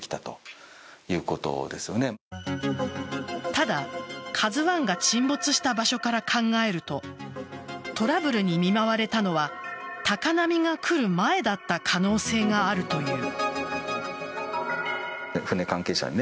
ただ、「ＫＡＺＵ１」が沈没した場所から考えるとトラブルに見舞われたのは高波が来る前だった可能性があるという。